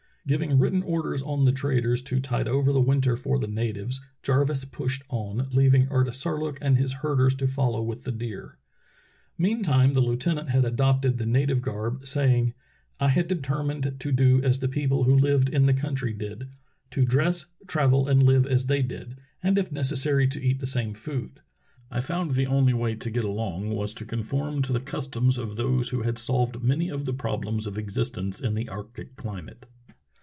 Giving written orders on the traders to tide over the winter for the natives, Jarvis pushed on, leaving Artisar look and his herders to follow with the deer. Mean time the Heutenant had adopted the native garb, say ing: "I had determined to do as the people who lived in the country did— to dress, travel, and live as they did, and if necessary to eat the same food. I found the only way to get along was to conform to the customs of those who had solved many of the problems of exist ence in the arctic climate."